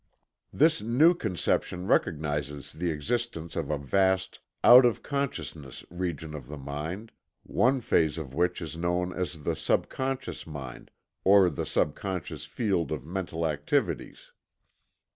This new conception recognizes the existence of a vast "out of consciousness" region of the mind, one phase of which is known as the subconscious mind, or the subconscious field of mental activities.